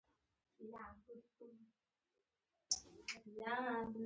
ایا باور لرئ چې ښه کیږئ؟